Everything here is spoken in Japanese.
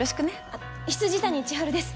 あっ未谷千晴です